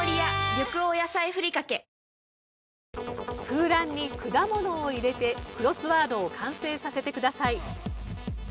空欄に果物を入れてクロスワードを完成させてください。